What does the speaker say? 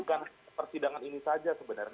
bukan persidangan ini saja sebenarnya